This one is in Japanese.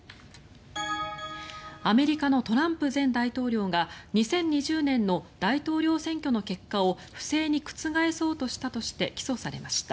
アメリカのトランプ前大統領が２０２０年の大統領選挙の結果を不正に覆そうとしたとして起訴されました。